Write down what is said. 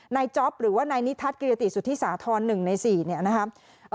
จ๊อปหรือว่านายนิทัศน์กิรติสุธิสาธรณ์๑ใน๔เนี่ยนะครับ